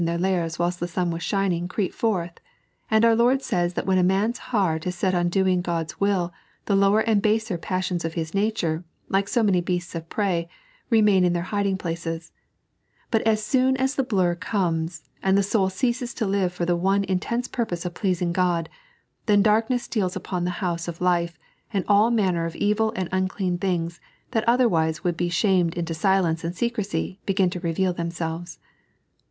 153 their lairs whilst the sun wbs shining creep forth : and our Lord says that when a man's heart is set on doing God's will the lower and baser passions of his nature — like so many beasts of prey — remain in their hiding places ; but as soon aa the blur comes, and the soul ceases to live for the one intense purpose of pleasing God, then darkness steals upon the house of life, and all manner of eyil and unclean things, that otherwise would be shamed into silence and secrecy, begin to reveal themselves.